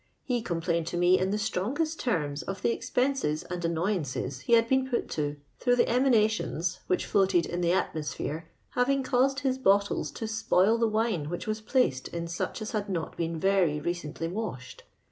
He complained to mo in the strongest terms of the expenses and annoyances he had been put to through the emanations which floated in the atmosphere having caused his bottles to spoil the wino which was placed in such as had not been very recently washed.